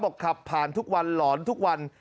ขับผ่านทุกวันหลอนทุกวัน